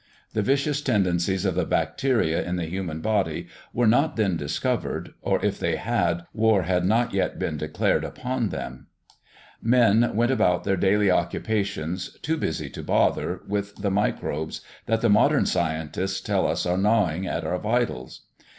The vicious tendencies of the bacteria in the human body were not then discovered, or, if they had, war had not yet been declared upon them. Men went about their daily occupations, too busy to bother with the microbes that the modern scientists tell us are gnawing at our vitals.